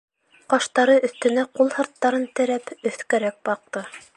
— Ҡаштары өҫтөнә ҡул һырттарын терәп, өҫкәрәк баҡты.